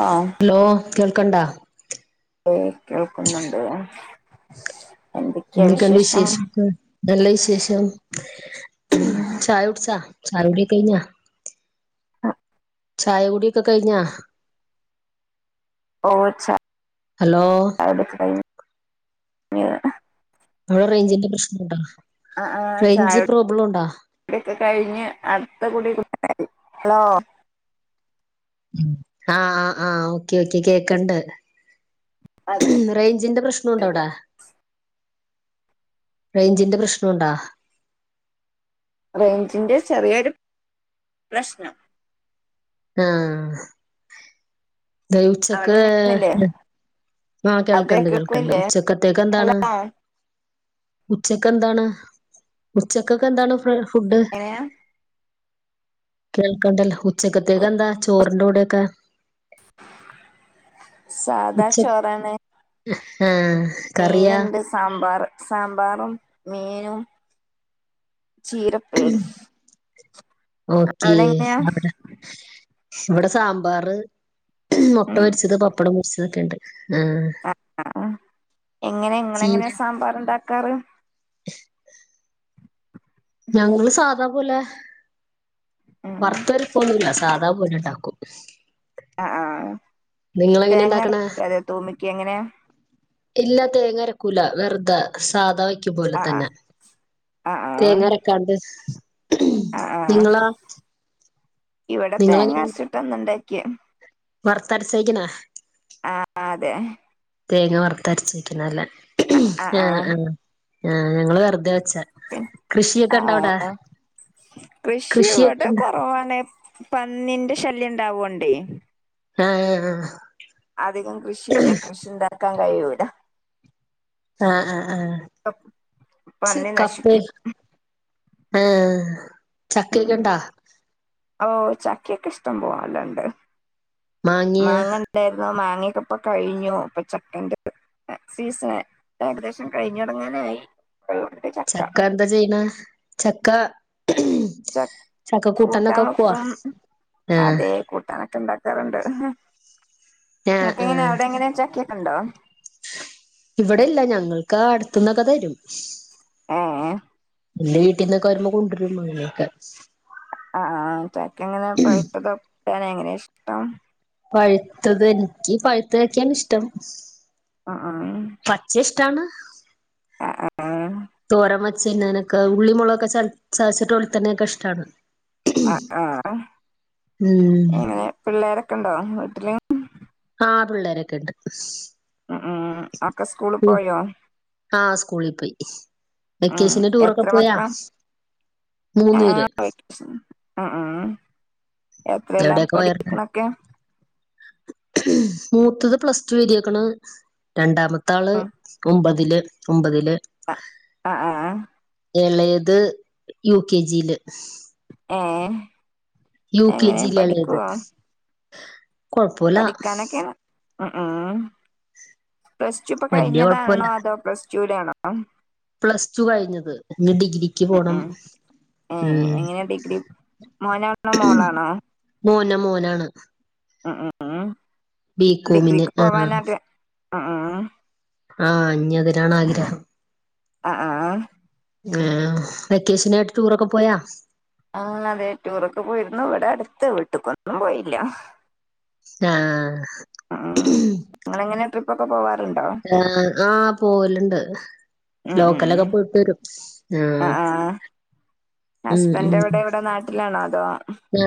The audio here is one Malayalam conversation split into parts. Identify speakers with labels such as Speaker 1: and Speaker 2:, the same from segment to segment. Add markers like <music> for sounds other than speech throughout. Speaker 1: ആ
Speaker 2: കേൾക്ണ്ട
Speaker 1: ഏ കേൾക്കുന്നുണ്ട്
Speaker 2: എന്തെകണ്ട വിശേഷം, നല്ല വിശേഷം, ചായ കുടിച്ചാ ചായ കുടി കൈഞ്ഞ ചായ കൂടിയൊക്കെ കഴിഞ്ഞാ
Speaker 1: ഓ ച്ച
Speaker 2: ഹലോ
Speaker 1: <unintelligible>
Speaker 2: വിടെ റേഞ്ചിന്റെ പ്രശ്നണ്ടോ
Speaker 1: ആ ആ
Speaker 2: റേഞ്ച് പ്രോബ്ലം ഉണ്ടോ
Speaker 1: ചായകുടിക്കെ കഴിഞ്ഞ് അടുത്ത കുടി കുടി ഹലോ
Speaker 2: ആ ആ ആഹ് ഓക്കെ ഓക്കെ കേക്കണ്ട്
Speaker 1: അതെ
Speaker 2: റേഞ്ചിന്റെ പ്രശ്നണ്ടോ
Speaker 1: അതെ
Speaker 2: അവിടെ റേഞ്ചിന്റെ പ്രശ്നണ്ടാ
Speaker 1: റേഞ്ചിന്റെ ചെറിയൊരു പ്രശ്നം
Speaker 2: ആഹ
Speaker 1: അവിടെ
Speaker 2: ദയചക്ക്
Speaker 1: എങ്ങനെയാന്നില്ലേ
Speaker 2: ആ
Speaker 1: അതെ
Speaker 2: കേൾക്കണ്ട് കേൾക്കണ്ട്
Speaker 1: കേൾക്കുന്നില്ലേ
Speaker 2: ഉച്ചക്കത്തേക്ക് എന്താണ്
Speaker 1: ഹലോ
Speaker 2: ഉച്ചക്ക് എന്താണ് ഉച്ചക്കൊക്കെ എന്താണ് ഫുഡ്
Speaker 1: എങ്ങനെയാ
Speaker 2: കേൾക്കണ്ടല്ലോ ഉ ച്ചക്കത്തേക്ക്‌ എന്താ ചോർ ർ ന്റെ കൂടോക്കെ
Speaker 1: സാധാ
Speaker 2: ഉച്ച
Speaker 1: ചോറ് <unintelligible>
Speaker 2: ആഹ്
Speaker 1: മീൻ
Speaker 2: കറിയാ
Speaker 1: ഉണ്ട് സാമ്പാറ് സാമ്പാറും മീനും ചീരപ്പേരി
Speaker 2: ഓക്കേ.
Speaker 1: അവിടെ എങ്ങനെയാ
Speaker 2: അവിടെ ഇവിടെ സാമ്പാറ് മുട്ട
Speaker 1: ഉം
Speaker 2: പൊരിച്ചത് പപ്പടം <unintelligible> ക്കേണ്ട്
Speaker 1: ആ എങ്ങനെ നിങ്ങള്
Speaker 2: ചീര
Speaker 1: എങ്ങനെയ സാമ്പാർണ്ടാ ക്കാറ്
Speaker 2: ഞങ്ങള് സാദാ പോലെ
Speaker 1: ഉം
Speaker 2: വാർത്തരിപ് ഒന്നുല്ല സാധാ പോലാണ് ണ്ടാക്കു
Speaker 1: ആ ആ തേങ്ങർ
Speaker 2: ഉണ്ടാക്കണെ?
Speaker 1: ക്കാതെ തൂമിക്ക എങ്ങനെയാ
Speaker 2: ഇല്ലാ തേങ്ങരക്കൂല വെറുതെ സാധ വെയ് ക്കും പോലെ
Speaker 1: ആ ആ
Speaker 2: തന്നെ
Speaker 1: ആ ആ
Speaker 2: തേങ്ങരക്കാണ്ട്
Speaker 1: ആ ആ
Speaker 2: നിങ്ങളൊ
Speaker 1: ഇവിടെ തേങ്ങാരിച്ചിട്ടന്നുണ്ട് കെ
Speaker 2: വർത്തരച്ച വയ്ക്കണേ
Speaker 1: ആ ആ അതെ
Speaker 2: തേങ്ങ വറുത്തരച്ച് വക്കുന്നത്തല്ലേ ആ ആ ആ
Speaker 1: ആ
Speaker 2: ഉണ്ടോ
Speaker 1: ആ
Speaker 2: അവിടെ?
Speaker 1: ആ കൃഷി
Speaker 2: കൃഷിയൊക്കെ
Speaker 1: ഇവിടെ
Speaker 2: ഉണ്ടോ?
Speaker 1: കുറവാണ് പന്നിന്റെ ശല്യംണ്ടാവോണ്ടേ
Speaker 2: ആ
Speaker 1: അധികം കൃഷില്ല കൃഷി ഉണ്ടാക്കാൻ കഴിയൂ ല
Speaker 2: ആ ആ ആ ച്ച്
Speaker 1: പന്നി
Speaker 2: കപ്പേ
Speaker 1: നശിപ്പിക്കും
Speaker 2: ആ
Speaker 1: ഉം ഓ ചക്കയൊക്കെ ഇഷ്ടം പോലെ <unintelligible>
Speaker 2: മാങ്ങിയ
Speaker 1: മാങ്ങണ്ടായിരുന്നോ മങ്ങേൻ ഇപ്പൊ കഴിഞ്ഞു ഇപ്പൊ ചക്കന്റെ സീസൺ ഏകദേശം കഴിഞടങ്ങാനയി
Speaker 2: ചക്ക എന്താ ചെയ്യണ് ചക്ക
Speaker 1: ച
Speaker 2: ചക്ക കൂട്ടാനൊക്കെ
Speaker 1: കൂട്ടാൻ
Speaker 2: വെക്കുവോ
Speaker 1: വെക്കും
Speaker 2: ആഹ്
Speaker 1: അതെ കൂട്ടാനൊക്കെ ഉണ്ടാക്കാറുണ്ട്
Speaker 2: ആഹ്
Speaker 1: ഇങ്ങക്കെങ്ങനെ
Speaker 2: ആഹ്
Speaker 1: അവിടെ എങ്ങനെ ചക്കെ ണ്ടോ
Speaker 2: ഇവിടെ ഇല്ല ഞങ്ങൾക്ക് അടുത്തുന്നക്ക തരും
Speaker 1: ആ ആ
Speaker 2: എന്റെ വീട്ടിൽന്നൊക്കെ വരുമ്പോ കൊണ്ടുരും അങനെയൊകെ
Speaker 1: ആ ആ ചക്കെ എങ്ങനെ പഴുത്തത നിക്ക അങ്ങനെ ഇഷ്ടം
Speaker 2: പഴുത്തത് എനിക്ക് പഴുത്തതൊക്കെയാണ് ഇഷ്ടം
Speaker 1: ആ ആ
Speaker 2: ട്ടാണ് തോരമതി ചിന്ന നൊക്ക ഉള്ളിമൊളകൊക്കെ ചാച്ച്ട്ട് ഓൽത്തന്നെക്കെ ഇഷ്ടണോ
Speaker 1: ആ ആ
Speaker 2: ഉം
Speaker 1: ങ്ങ പിള്ളേര ക്കണ്ടോ വീട്ടിലും
Speaker 2: ആ പിള്ളേരൊക്കെ ഉണ്ട്
Speaker 1: ഉം ഉം ആ ഒക്കെ സ്കൂളിൽ പോയോ
Speaker 2: ആഹ് സ്കൂളിൽ പോയി വെക്കേഷന് ടൂറൊക്കെ
Speaker 1: എത്ര
Speaker 2: പോയാ
Speaker 1: മക്ക
Speaker 2: മൂന്ന് പേര്
Speaker 1: <unintelligible> ഉം ഉം എത്രയല്ലാം
Speaker 2: എവിടെയൊക്കെ പോയാരുന്നു
Speaker 1: പഠിക്കണൊക്കെ
Speaker 2: മൂത്തത് പ്ലസ് ടു എഴുതിക്കണേ രണ്ടാമ ത്താള് ഒമ്പതില് ഒമ്പതില്
Speaker 1: അ ആ ആ
Speaker 2: ഏളയത് യു കെ ജിയില്
Speaker 1: ഏ
Speaker 2: യു കെ
Speaker 1: എങ്ങനെ
Speaker 2: ജി ല് എളത്
Speaker 1: പഠിക്കുവോ
Speaker 2: കൊഴപ്പോല
Speaker 1: പഠിക്കാനൊക്കെ ഉം ഉം പ്ലസ് ടു ഇപ്പൊ
Speaker 2: വല്യ കൊഴപ്പല്ല
Speaker 1: കഴിഞ്ഞതാണോ അതോ പ്ലസ് <unintelligible>
Speaker 2: പ്ലസ് ടു കഴിഞ്ഞത് ഞ്ഞി ഡിഗ്രിക്ക്
Speaker 1: ഉം
Speaker 2: പോണം.
Speaker 1: ഉം ഏ എങ്ങനെ ഡിഗ്രി മോനാണോ
Speaker 2: മ്
Speaker 1: മോളാണോ
Speaker 2: മോന് മോനാണ്.
Speaker 1: മ് മ് മ്ഹ്
Speaker 2: ബികോമിന് ആഹ്
Speaker 1: ഉ ഊം
Speaker 2: ആ ഞ്ഞി അതിനാണ് ആഗ്രഹം.
Speaker 1: അ ആഹ്
Speaker 2: ആഹ് വെക്കേഷനായിട്ട് ടൂറൊക്കെ പോയാ
Speaker 1: ആഹ് അതെ ടൂറൊക്കെ പോയിരുന്നു ഇവിടെ അടുത്ത് വീട്ട്ക്കൊന്നും പോയില്ല
Speaker 2: ആഹ്
Speaker 1: ഉം <unintelligible>
Speaker 2: ആഹ് ആഹ് പോവല്ണ്ട്.
Speaker 1: ഉം ഉം
Speaker 2: ലോക്കലൊക്കെ പോയിട്ട് വരും
Speaker 1: ആ
Speaker 2: ആഹ്
Speaker 1: ആ
Speaker 2: മ് മ്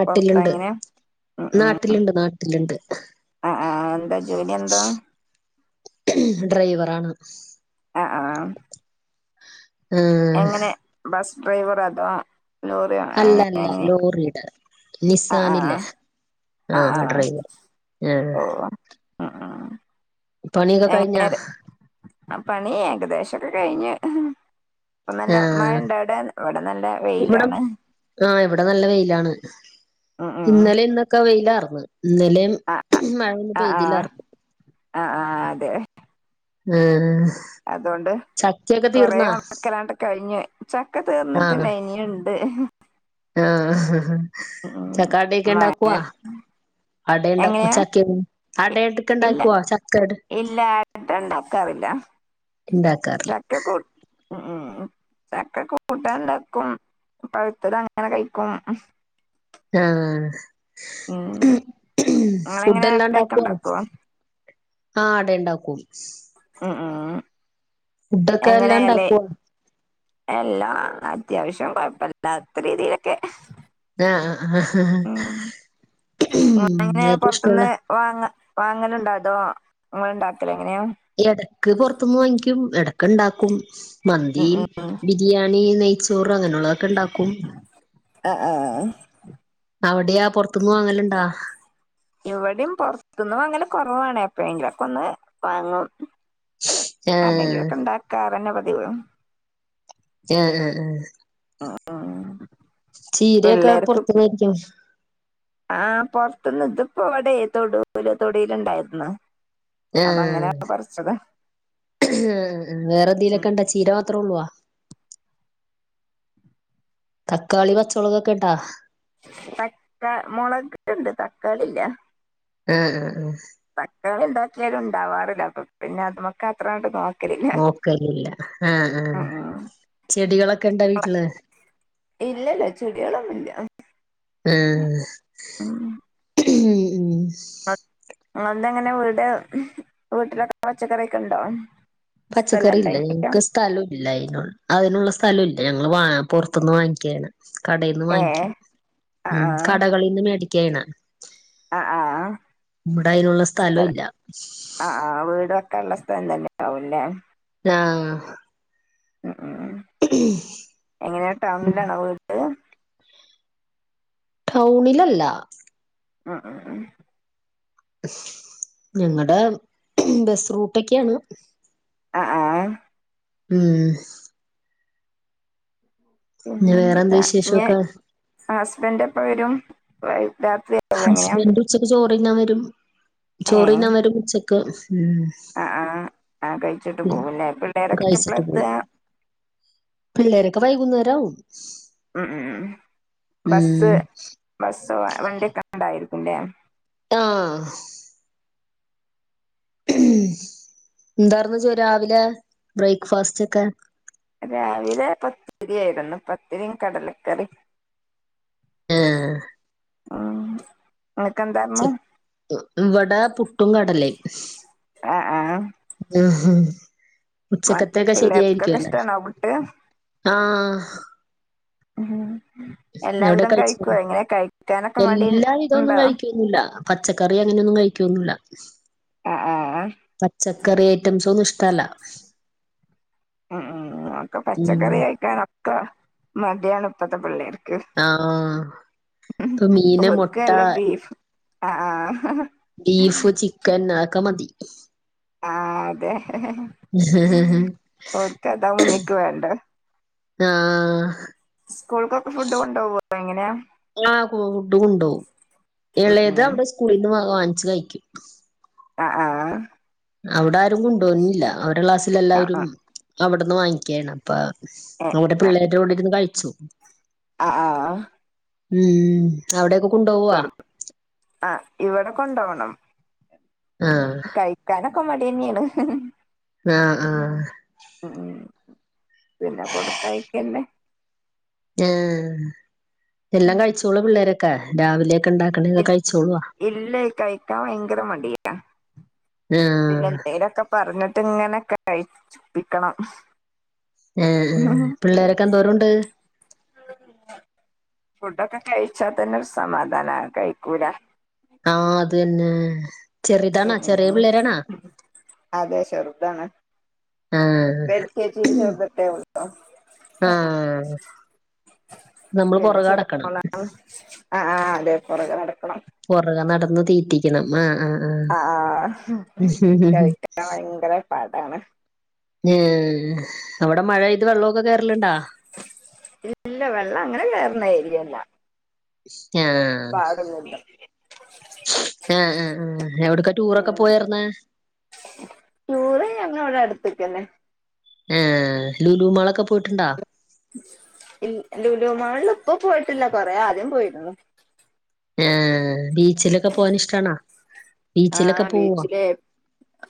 Speaker 1: പൊറത്താ ഇങ്ങനെ മ്ഹ് മ്ഹ്
Speaker 2: നാട്ടിലുണ്ട് നാട്ടിലുണ്ട്
Speaker 1: ആഹ് ആഹ് എന്താ ജോലി എന്താ
Speaker 2: ഡ്രൈവറാണ്
Speaker 1: ആഹ് ആഹ്
Speaker 2: ആഹ്
Speaker 1: എങ്ങനെ ബസ് ഡ്രൈവറോ അതോ ലോറിയോ
Speaker 2: അല്ല അല്ല
Speaker 1: അങ്ങനെ
Speaker 2: ലോറീടെ
Speaker 1: ആ ആ
Speaker 2: നിസാനില്ലേ ആഹ് ഡ്രൈവറ് ആഹ്
Speaker 1: ഓ ഉം ഉം
Speaker 2: പണിയൊക്കെ കഴിഞ്ഞാ
Speaker 1: എങ്ങനെ പണി ഏകദേശൊക്കെ കഴിഞ്ഞ് ഇപ്പ നല്ല മഴ
Speaker 2: ആഹ്
Speaker 1: ഇണ്ടവടെ ഇവടെ നല്ല വെയ്ലാണ്
Speaker 2: ടെ നല്ല വെയ്ലാണ്
Speaker 1: ഉം
Speaker 2: ഇന്നലേ ഇന്നൊക്കെ വെയിലർ ഇന്നലേം
Speaker 1: ആഹ്
Speaker 2: മഴയൊന്നും
Speaker 1: ആഹ് ആഹ് ആഹ്
Speaker 2: പോയ്‌തില്ലാർന്നു
Speaker 1: ആഹ് ആഹ് അതെ
Speaker 2: ആഹ്
Speaker 1: അതുകൊണ്ട്
Speaker 2: ചക്കൊക്കെ
Speaker 1: കൊറേ
Speaker 2: തീർന്നാ
Speaker 1: ഉണക്കലാണ്ട് കഴിഞ്ഞ് ചക്ക തീർന്നിട്ട് ലൈനിയുണ അത്
Speaker 2: ആ ചക്ക അടക്കെ
Speaker 1: മഴ
Speaker 2: ഇണ്ടാക്കവാ അടുണ്ടാക്ക
Speaker 1: എങ്ങനെയാ
Speaker 2: ചക്ക
Speaker 1: ഇ-
Speaker 2: അടടക്ക
Speaker 1: ഇല്ല
Speaker 2: ഇണ്ടാക്കുവ ചക്കട്
Speaker 1: ഇല്ല അട ഉണ്ടാക്കാറില്ല
Speaker 2: ഇണ്ടാക്കാറില്ല
Speaker 1: ഉ ചക്ക കൂട്ടാൻ ഉണ്ടാക്കും പഴുത്തട അങ്ങനെ കഴിക്കും
Speaker 2: ആ
Speaker 1: ഉം
Speaker 2: ഫുഡ
Speaker 1: നിങ്ങളെങ്ങനെ അടയൊക്കെ
Speaker 2: എല്ലാണ്ടാക്കുവോ
Speaker 1: ഉണ്ടാക്കുവോ
Speaker 2: ആ അട ഉണ്ടാക്കൂ
Speaker 1: ആ ആ
Speaker 2: ഫുഡൊക്കെ എല്ലാം ഉണ്ടാക്കുവ
Speaker 1: എല്ലാ അത്യാവശ്യം കൊഴപ്പല്ലാത്ത രീതിയിലൊക്കെ
Speaker 2: ആ ആ
Speaker 1: ഉം അങ്ങനെ
Speaker 2: ഏറ്റവും ഇഷ്ടമുള്ള
Speaker 1: പൊറത്തുന്ന് നിങ്ങ ഉണ്ടാക്കല്ല എങ്ങനെയോ
Speaker 2: ഇടക്ക് പു റത്തുനിന്ന് വാങ്ങിക്കും ഇടക്ക് ഇണ്ടാക്കും മന്തി
Speaker 1: ഉം ഉം
Speaker 2: ബിരിയാണി നെയ്ച്ചോർ അങ്ങനെ ഉള്ളൊക്കെ ഇണ്ടാക്കും
Speaker 1: ആഹ് ആഹ്
Speaker 2: അവിടെയാ പുറത്തന്നും വാങ്ങലുണ്ടാ
Speaker 1: ഇവിടെയും പൊറത്തുന്ന് വാങ്ങലു കുറവാണ എപ്പഴെങ്കിലുക്കെ ഒന്ന് വാങ്ങും
Speaker 2: ആഹ്
Speaker 1: അല്ലെങ്കിലൊക്കെ ഉണ്ടാക്കാറന്നെ <inaudible>
Speaker 2: ആ ആ ആ
Speaker 1: ആ ആ
Speaker 2: ചീരയൊക്കെ പുറത്തുന്നായിരിക്കും
Speaker 1: ആഹ് പുറത്തുന്ന് ഇതിപ്പോഅവിടെ തൊടുല് തൊടലുണ്ടായിരുന്നു അപ്പൊ അങ്ങനെയണ പറിച്ചത്
Speaker 2: ഉ വേറെ എന്തെങ്കലൊക്കെ ഇണ്ട ചീര മാത്രമേ ഉള്ളുവ തക്കാളി പച്ചളകൊക്കെണ്ടാ
Speaker 1: തക്കാ മുളകട്ടുണ്ട് തക്കാളില്ല
Speaker 2: ഉം ഉ ഉ
Speaker 1: പ എന്തുണ്ടാക്കിയാലും ഉണ്ടാവാറില്ല അപ്പൊ പിന്നെ അത് മക്ക അത്രമായിട്ട് നോ
Speaker 2: നോക്കലല്ല ആ ആ
Speaker 1: ഉം ഉം
Speaker 2: ചെടികളൊക്കെ ഇണ്ടാ വീട്ടില്
Speaker 1: ഇല്ലല്ല ചെടികളൊന്ന ഇല്ല
Speaker 2: ആഹ് ഉം
Speaker 1: <unintelligible> എങ്ങനാ വീട് വീട്ടിലൊക്കെ പച്ചക്കറിയൊക്കെ ഉണ്ടോ സ്ഥലം
Speaker 2: പച്ചക്കറി ഇല്ല
Speaker 1: ഉണ്ടെങ്കിലോ
Speaker 2: ഞങ്ങക്ക് സ്ഥലോം ഇല്ല അതിനുള്ള അതിനുള്ള സ്ഥലം ഇല്ല ഞങ്ങള് വാ പുറത്തുന്ന് വാങ്ങിക്കാ ചെയ്യണേ. കടയിന്ന്
Speaker 1: ഏ
Speaker 2: വാങ്ങിക്കും.
Speaker 1: ആ
Speaker 2: ഉം
Speaker 1: ആ
Speaker 2: കടകളിൽന്ന് മേടി ക്കെണ്
Speaker 1: ആ ആ
Speaker 2: ഇവിടെ അതിനുള്ള സ്ഥലം ഇല്ല.
Speaker 1: ഇപ്പ എല്ലാം തന്നെ ആവുല്ലേ.
Speaker 2: ആ
Speaker 1: ഉം എങ്ങനെയാ ടൗണിലാണോ വീട്?
Speaker 2: ടൗണിലല്ല
Speaker 1: ഉം ഉം ഉം
Speaker 2: ഞങ്ങടെ ബസ് റൂട്ടൊക്കെയാണ്.
Speaker 1: ആ ആ
Speaker 2: ഉം
Speaker 1: പിന്നെ
Speaker 2: വേറെന്ത്
Speaker 1: എന്താ ഞ്ഞെ
Speaker 2: വിശേഷൊക്കെ
Speaker 1: ഹസ്ബന്റെപ്പവരു <unintelligible>
Speaker 2: ഹസ്ബെന്റ് ഉച്ചക്ക് ചോറ് തിന്നാൻ വരും. ചോറിന്നാൻ വരും ഉച്ച ക്ക്
Speaker 1: അ ആ ആ അ കഴിച്ചിട്ട്
Speaker 2: ഉം
Speaker 1: പോവല്ലെ പിള്ളേരൊക്കെ എപ്പളാ
Speaker 2: കഴിച്ചിട്ട്
Speaker 1: എത്തുക?
Speaker 2: ക്കെ വൈകുന്നേരാവും
Speaker 1: ബസ്
Speaker 2: ഉം
Speaker 1: ബസ് സോ വണ്ടിയൊക്കെ ഉണ്ടായിരിക്കും ല്ലേ?
Speaker 2: ആ എന്താര്ന്നു ചോ രാവിലെ ബ്രേക്ക് ഫാസ്റ്റൊക്കെ?
Speaker 1: രാവിലെ പത്തിരിയായിരുന്നു പത്തിരിയും കടലക്കറിയും.
Speaker 2: ആ
Speaker 1: ആ നിനക്ക് എന്താർന്നു?
Speaker 2: ഇവട പു ട്ടും കടലെയും.
Speaker 1: ആ ആ
Speaker 2: ഉം
Speaker 1: പിള്ളേർക്കൊക്കെ ഇഷ്ട്ടാണോ പുട്ട്?
Speaker 2: ആ
Speaker 1: ആ
Speaker 2: എവിടെ കഴിച്ച
Speaker 1: കഴിക്കാനൊക്കെ മടി
Speaker 2: എല്ലാവിധവൊന്നും
Speaker 1: ഉണ്ടോ
Speaker 2: കഴിക്കൊന്നുല്ല പച്ചക്കറി അങ്ങനെയൊന്നും കഴി ന്നുല്ല.
Speaker 1: ആ ആ
Speaker 2: പച്ച കറ ഐറ്റംസോന്ന ഇഷ്ടല്ല
Speaker 1: ഉം ഉം അക്കെ
Speaker 2: ഉം
Speaker 1: പച്ചക്കറി കഴിക്കാന മടിയാണഇപ്പത്തെപിള്ളേർക്ക
Speaker 2: ആ ഇപ്പൊ മീന
Speaker 1: ഓർക്ക്
Speaker 2: മുട്ട
Speaker 1: വല്ല ബീഫ് ആ ആ
Speaker 2: ബീഫ് ചിക്കൻ അതക്കെ മതി അ
Speaker 1: ആ അതെ ഓർക്കഥാ മഞ്ഞക്ക് വേണ്ട
Speaker 2: ആ
Speaker 1: സ്കൂൾക്കൊക്കെ ഫുഡ് കൊണ്ടോ എങ്ങനെയാ
Speaker 2: ണ്ടോവും
Speaker 1: ഉം
Speaker 2: ഇളയത്
Speaker 1: ഉം
Speaker 2: അവിടെ സ്കൂളിൽ നിന്ന് വ വാങ്ങിച്ച് കഴിക്കും
Speaker 1: ആ ആ
Speaker 2: അവിടെ കൊണ്ട പോന്നില്ല അവരുടെ ക്ലാസ്സൽ
Speaker 1: ആഹ്
Speaker 2: എല്ലാവരും
Speaker 1: ആഹ്
Speaker 2: അവിടുന്ന് വാങ്ങിക്കാണ് അപ്പ അവിടെ പിള്ളേരുടെഡിരുന്ന കഴി ച്ചു
Speaker 1: ആ ആ
Speaker 2: ഉം അവിടെ
Speaker 1: <unintelligible> ആ ഇവിടെ കൊണ്ടകണം
Speaker 2: ആഹ്
Speaker 1: കഴിക്കാന മടി തന്നെയാണ്
Speaker 2: ആഹ് ആഹ്
Speaker 1: ഉം ഉം പിന്നെ കൊടുത്തായിക്കന്നെ
Speaker 2: ആ എല്ലാം കഴിച്ചോള പിള്ളേര ക്ക രാവിലെ
Speaker 1: ഇ ഇല്ല കഴിക്കാ ഭയങ്കര മടിയ
Speaker 2: ആഹ്
Speaker 1: പിന്നെ എന്തേലൊക്കെ പറഞ്ഞ ഇങ്ങനെക്കെ കഴിച്ചുപ്പിക്കണം
Speaker 2: ആഏ പിള്ളേരൊക്കെ എന്തോരുണ്ട്
Speaker 1: ഫുഡൊക്കെ കഴിച്ചാൽ തന്നെ ഒരു സമാധാന കഴിക്കൂല
Speaker 2: ആ അത് തന്നെ ചെറിതാണാ
Speaker 1: ഉം
Speaker 2: ചെറിയ
Speaker 1: ഉം
Speaker 2: പിള്ളേരാണോ
Speaker 1: അതെ ചെറുതാണ്
Speaker 2: ആഹ്
Speaker 1: എൽകെജിയിൽ ചേർത്തിട്ടേ ഉള്ളോ
Speaker 2: ആഹ് നമ്മള്
Speaker 1: പിന്നെ
Speaker 2: പുറകെ നടക്കണം
Speaker 1: <unintelligible> അതെ പുറകെ നടക്കണം
Speaker 2: പുറകെ നടന്ന് തീറ്റിക്കണം ആ ആ
Speaker 1: ആ ആ കഴിക്കാൻ ഭയങ്കരെ അ അതാണ്
Speaker 2: ഉം അവിടെ മഴ പെയ്ത് വെള്ളമൊക്കെ കേറലുണ്ടാ
Speaker 1: ഇല്ല വെള്ളം അങ്ങനെ കയറന്ന ഏരിയല്ല
Speaker 2: ഇ ആ
Speaker 1: പാടൊന്നുമില്ല
Speaker 2: ആ ആ ആ എവിടെക്കാ ടൂറൊക്കെ
Speaker 1: ഉം
Speaker 2: പോയാരുന്നേ
Speaker 1: ടൂറ് ഞങ്ങ <unintelligible>
Speaker 2: ആ ലൂലുമാളൊക്കെ പോയിട്ടുണ്ടോ
Speaker 1: ലൂലു മാളില് ഇപ്പൊ പോയിട്ടില്ല കൊറേ ആദ്യം പോയിരുന്നു
Speaker 2: ഏ
Speaker 1: ആ
Speaker 2: ബീച്ചിലൊക്കെ പോവോ
Speaker 1: ബീച്ചില്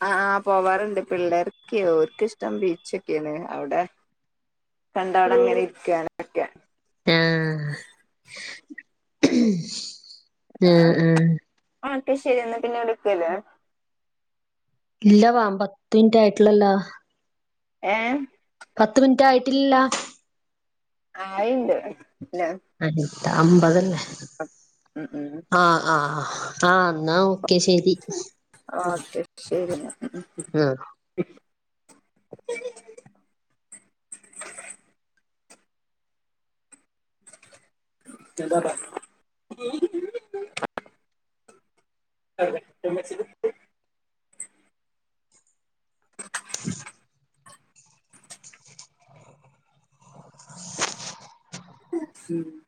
Speaker 1: ആ ആ പോവാറുണ്ട് പിള്ളേർക്ക് ഒക്കെ ഓർക്ക് ഇഷ്ടം ബീച്ചൊക്കെയാണ് അവിടെ കണ്ട അവിടെ അങ്ങനെ ഇരിക്കാനൊക്കെ
Speaker 2: ആ ആ ആ
Speaker 1: എങ്കിൽ ശെരി എന്നാ പിന്നെ വിളിക്കുവല്ലേ
Speaker 2: ഇല്ല വാ പത്ത് മിനിറ്റ് ആയിട്ടുള്ളല്ലോ
Speaker 1: ഏ
Speaker 2: പത്ത് മിനിറ്റ് ആയിട്ടില്ലല്ലോ
Speaker 1: ആയിണ്ട് ഇല്ല
Speaker 2: അമ്പതല്ലേ
Speaker 1: ഉം ഉം
Speaker 2: ആ ആ ആ ആ എന്നാ ശരി
Speaker 1: ആ ഓക്കെ ശരി എന്നാ
Speaker 2: ആ
Speaker 1: <unintelligible> എന്താ <unintelligible>
Speaker 2: <inaudible>
Speaker 1: <inaudible>